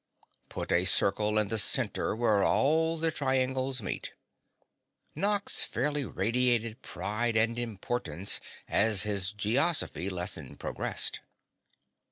"Put a circle in the center where all the triangles meet." Nox fairly radiated pride and importance as his geozophy lesson progressed.